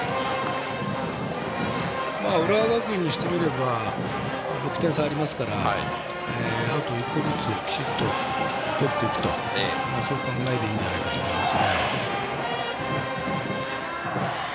浦和学院にしてみれば６点差ありますからアウトを１個ずつきちっととっていくとそういう考えでいいんじゃないかと思います。